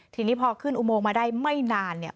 ทีนี้พอขึ้นอุโมงมาได้ไม่นานเนี่ย